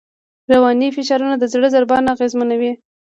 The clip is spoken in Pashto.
رواني فشارونه د زړه ضربان اغېزمنوي.